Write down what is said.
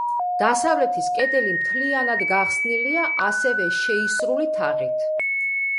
დასავლეთი კედელი მთლიანად გახსნილია ასევე შეისრული თაღით.